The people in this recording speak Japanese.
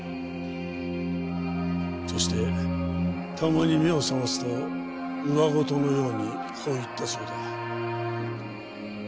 そしてたまに目を覚ますとうわ言のようにこう言ったそうだ。